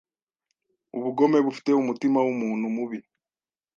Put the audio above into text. Ubugome bufite umutima wumuntu mubi